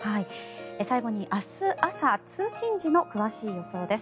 最後に明日朝、通勤時の詳しい予想です。